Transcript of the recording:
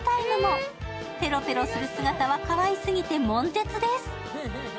ペロペロする姿はかわいすぎて悶絶です。